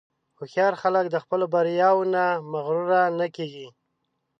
هوښیار خلک د خپلو بریاوو نه مغرور نه کېږي.